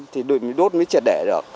thì đốt mới triệt đẻ được